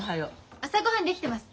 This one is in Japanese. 朝ごはん出来てます。